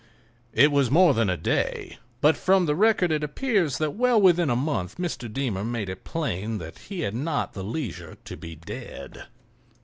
It was more than a day, but from the record it appears that well within a month Mr. Deemer made it plain that he had not the leisure to be dead.